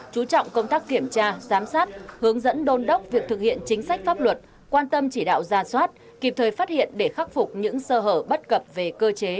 chú trọng công tác kiểm tra giám sát hướng dẫn đôn đốc việc thực hiện chính sách pháp luật quan tâm chỉ đạo gia soát kịp thời phát hiện để khắc phục những sơ hở bất cập về cơ chế